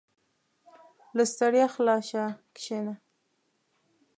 • له ستړیا خلاص شه، کښېنه.